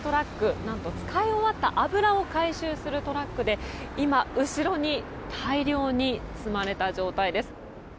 なんと使い終わった油を回収するトラックで今、後ろに大量に積まれた状態です。